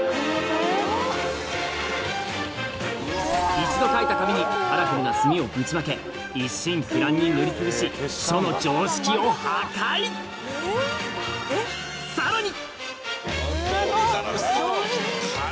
一度書いた紙にカラフルな墨をぶちまけ一心不乱に塗りつぶし書の常識を破壊さらに